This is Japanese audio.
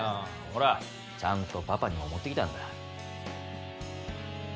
ほらちゃんとパパにも持ってきたんだ。